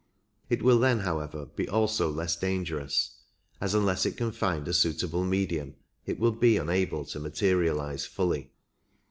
It will then, however, be also less dangerous, as unless it can find a suitable medium it will be unable to materialize fully.